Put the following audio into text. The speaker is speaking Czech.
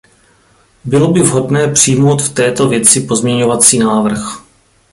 Bylo by vhodné přijmout v této věci pozměňovací návrh.